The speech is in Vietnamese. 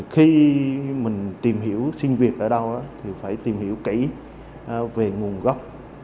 khi mình tìm hiểu xin việc ở đâu thì phải tìm hiểu kỹ về nguồn gốc